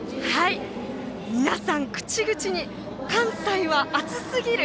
皆さん、口々に関西は暑すぎる！